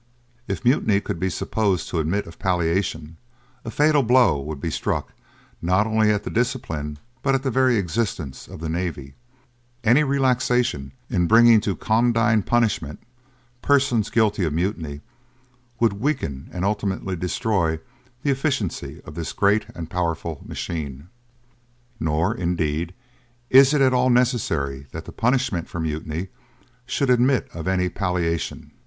If mutiny could be supposed to admit of palliation, a fatal blow would be struck not only at the discipline, but at the very existence, of the navy; any relaxation in bringing to condign punishment persons guilty of mutiny, would weaken and ultimately destroy the efficiency of this great and powerful machine. Nor, indeed, is it at all necessary that the punishment for mutiny should admit of any palliation.